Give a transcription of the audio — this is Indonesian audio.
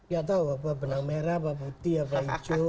ya tau apa benang merah apa putih apa hijau ya kan